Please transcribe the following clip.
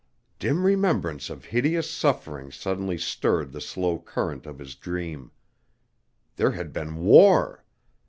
Dim remembrance of hideous suffering suddenly stirred the slow current of his dream. There had been war.